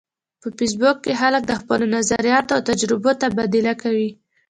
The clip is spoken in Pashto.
په فېسبوک کې خلک د خپلو نظریاتو او تجربو تبادله کوي